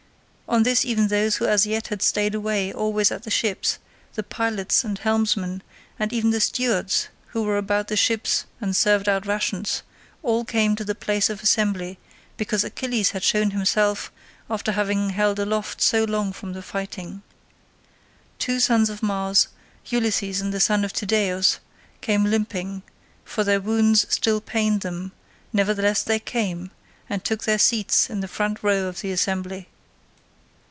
On this even those who as yet had stayed always at the ships, the pilots and helmsmen, and even the stewards who were about the ships and served out rations, all came to the place of assembly because Achilles had shown himself after having held aloof so long from fighting. Two sons of Mars, Ulysses and the son of Tydeus, came limping, for their wounds still pained them; nevertheless they came, and took their seats in the front row of the assembly.